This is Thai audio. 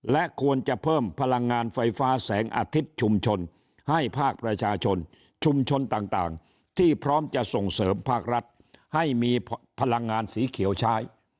และควรจะเพิ่มพลังงานไฟฟ้าแสงอาทิตย์ชุมชนให้ภาคประชาชนชุมชนต่างที่พร้อมจะส่งเสริมภาครัฐให้มีพลังงานสีเขียวใช้